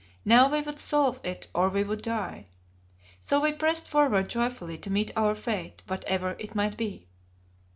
Now we would solve it or we would die. So we pressed forward joyfully to meet our fate, whatever it might be.